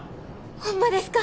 ホンマですか！？